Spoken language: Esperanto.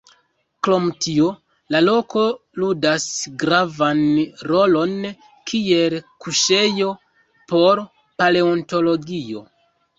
Krom tio, la loko ludas gravan rolon kiel kuŝejo por paleontologio.